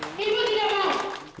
ibu tidak mau